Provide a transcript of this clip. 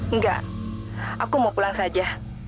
enggak aku mau pulang saja